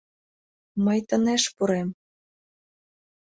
Мый тынеш пурем.